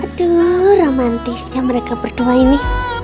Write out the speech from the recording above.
aduh romantis ya mereka berdua ini